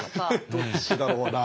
どっちだろうな。